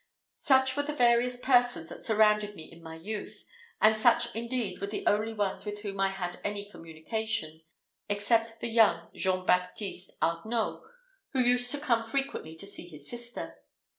Such were the various persons that surrounded me in my youth; and such indeed were the only ones with whom I had any communication, except the young Jean Baptiste Arnault, who used to come frequently to see his sister.